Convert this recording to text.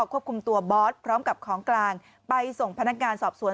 ควบคุมตัวบอสพร้อมกับของกลางไปส่งพนักงานสอบสวน